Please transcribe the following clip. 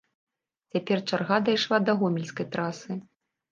Цяпер чарга дайшла да гомельскай трасы.